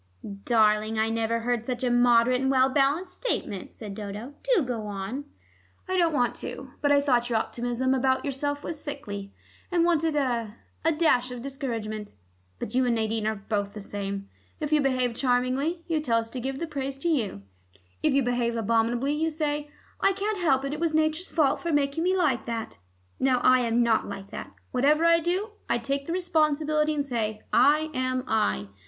"Darling, I never heard such a moderate and well balanced statement," said Dodo. "Do go on." "I don't want to. But I thought your optimism about yourself was sickly, and wanted a a dash of discouragement. But you and Nadine are both the same: if you behave charmingly, you tell us to give the praise to you; if you behave abominably you say, 'I can't help it: it was Nature's fault for making me like that.' Now I am not like that: whatever I do, I take the responsibility, and say, 'I am I.